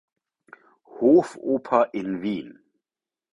Hofoper in Wien.